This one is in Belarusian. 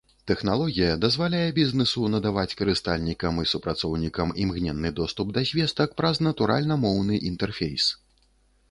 Тэхналогія дазваляе бізнэсу надаваць карыстальнікам і супрацоўнікам імгненны доступ да звестак праз натуральна-моўны інтэрфейс.